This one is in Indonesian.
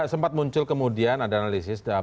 sempat muncul kemudian ada analisis